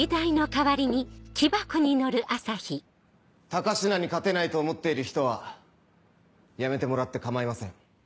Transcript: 高階に勝てないと思っている人は辞めてもらって構いません。